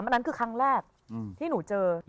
อันนั้นคือครั้งแรกที่จำ